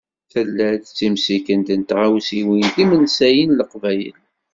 Tella-d temsikent n tɣawsiwin timensayin n Leqbayel.